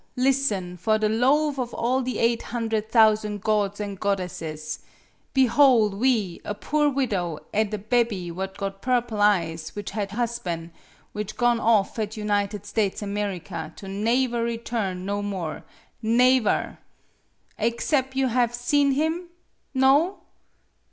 Listen, for the loave of all the eight hundred thousan' gods and goddesses! Behole, we, a poor widow, an' a bebby what got purple eyes, which had one hosban', which gone off at United States America, to naever return no more naever! 4excep' you have seen him? No?